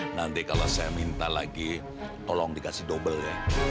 nanti kalau saya minta lagi tolong dikasih double ya